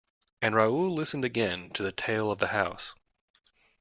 And Raoul listened again to the tale of the house.